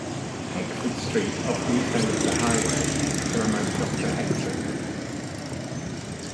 Heckford Street, off the east end of The Highway, commemorates Doctor Heckford.